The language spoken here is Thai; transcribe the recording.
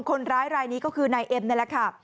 คนร้ายรายนี้ก็คือนายเอ็มนี่แหละค่ะ